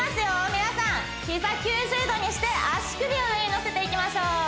皆さん膝９０度にして足首を上に乗せていきましょう